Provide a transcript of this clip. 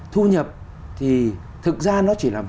thu nhập thì thực ra nó chỉ là